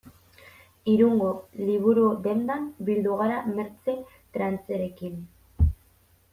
Irungo liburu-dendan bildu gara Mertxe Trancherekin.